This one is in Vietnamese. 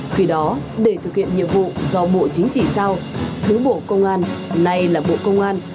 khi đó để thực hiện nhiệm vụ do bộ chính trị giao thứ bộ công an nay là bộ công an